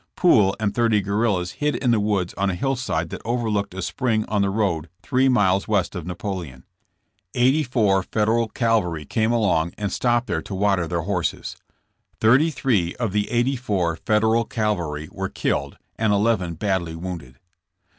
Poole and thirty guerrillas hid in the woods on a hillside that overlooked a spring on the road three miles west of Napoleon. Eighty four Federal cav alry came along and stopped there to water their horses. Thirty three of the eighty four Federal cavalry were killed and eleven badly wounded.